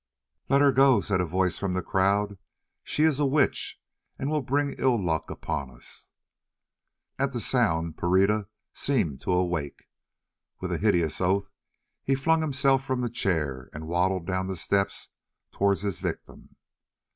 "Let her go!" said a voice from the crowd. "She is a witch and will bring ill luck upon us." At the sound Pereira seemed to awake. With a hideous oath he flung himself from the chair and waddled down the steps towards his victim.